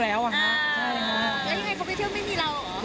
แล้วยังไงเขาไปเที่ยวไม่มีเราเหรอ